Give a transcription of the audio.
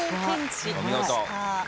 お見事。